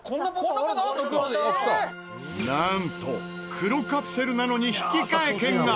なんと黒カプセルなのに引換券が！